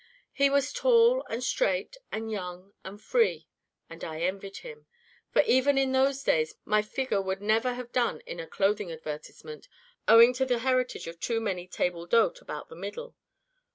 He was tall and straight and young and free, and I envied him, for even in those days my figure would never have done in a clothing advertisement, owing to the heritage of too many table d'hôtes about the middle.